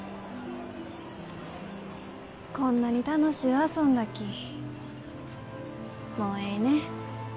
こんなに楽しゅう遊んだきもうえいね。